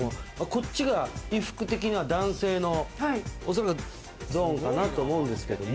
こっちが衣服的には男性の、おそらくゾーンかなと思うんですけれど。